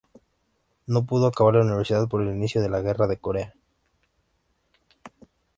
No pudo acabar la universidad por el inicio de la Guerra de Corea.